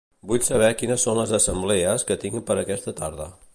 Vull saber quines són les assemblees que tinc per aquesta tarda.